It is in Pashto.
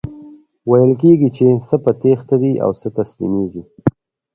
ویل کیږي چی څه په تیښته دي او څه تسلیمیږي.